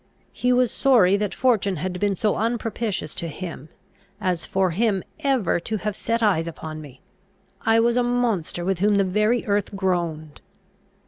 He was sorry that fortune had been so unpropitious to him, as for him ever to have set eyes upon me! I was a monster with whom the very earth groaned!